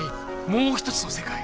もう一つの世界。